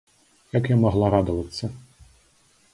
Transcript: Як я магла радавацца?